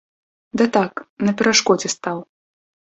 Да так, на перашкодзе стаў.